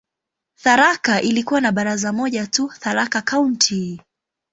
Tharaka ilikuwa na baraza moja tu, "Tharaka County".